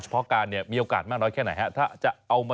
เพราะการเนี่ยมีโอกาสมากน้อยแค่ไหนฮะ